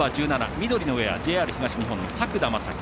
緑のウエア、ＪＲ東日本の作田将希。